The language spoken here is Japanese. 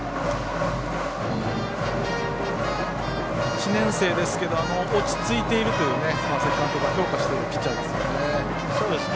１年生ですけど落ち着いていると川崎監督が評価しているピッチャーですよね。